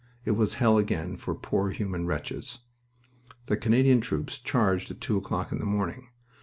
It was hell again for poor human wretches. The Canadian troops charged at two o'clock in the morning.